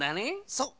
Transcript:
そう！